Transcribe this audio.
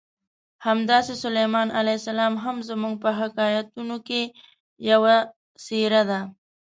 همداسې سلیمان علیه السلام هم زموږ په حکایتونو کې یوه څېره ده.